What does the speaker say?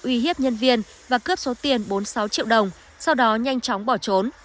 điều đó là hiếp nhân viên và cướp số tiền bốn mươi sáu triệu đồng sau đó nhanh chóng bỏ trốn